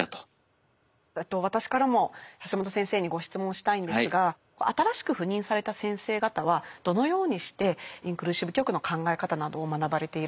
私からも橋本先生にご質問したいんですが新しく赴任された先生方はどのようにしてインクルーシブ教育の考え方などを学ばれていらっしゃるのでしょうか。